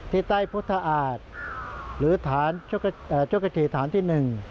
ที่ใต้พุทธอาจหรือฐานชกฐีฐานที่๑